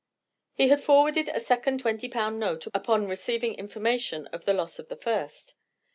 He had forwarded a second twenty pound note, upon receiving information of the loss of the first.